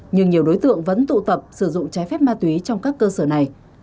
nhưng nhiều đối tượng vẫn tụ tập sử dụng trái phép ma túy trong các cơ sở này